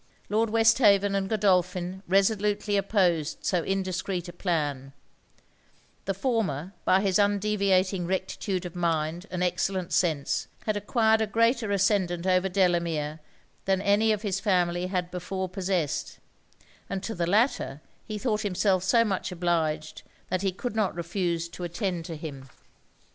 Lord Westhaven and Godolphin resolutely opposed so indiscreet a plan: the former, by his undeviating rectitude of mind and excellent sense, had acquired a greater ascendant over Delamere than any of his family had before possessed; and to the latter he thought himself so much obliged, that he could not refuse to attend to him.